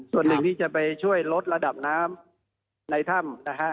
ส่วนหนึ่งที่จะไปช่วยลดระดับน้ำในถ้ำนะฮะ